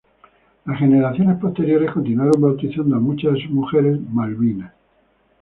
Las generaciones posteriores continuaron bautizando a muchas de sus mujeres "Malvina".